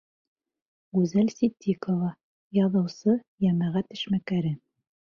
Гүзәл СИТДИҠОВА, яҙыусы, йәмәғәт эшмәкәре: